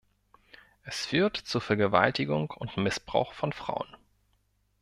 Es führt zu Vergewaltigung und Missbrauch von Frauen.